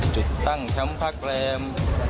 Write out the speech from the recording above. จุดตั้งช้ำพักแปรม